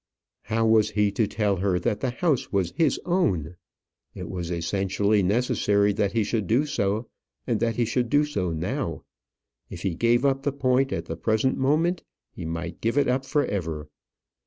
How was he to tell her that the house was his own? It was essentially necessary that he should do so, and that he should do so now. If he gave up the point at the present moment, he might give it up for ever.